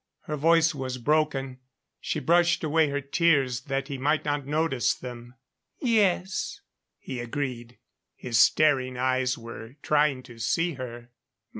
Her voice was broken. She brushed away her tears that he might not notice them. "Yes," he agreed. His staring eyes were trying to see her.